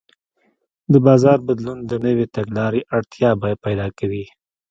د بازار بدلون د نوې تګلارې اړتیا پیدا کوي.